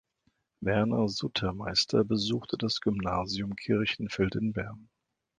Werner Sutermeister besuchte das Gymnasium Kirchenfeld in Bern.